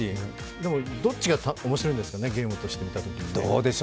でも、どっちが面白いんですかね、ゲームとして見たときに。